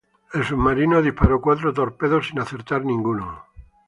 El submarino disparó cuatro torpedos sin acertar ninguno.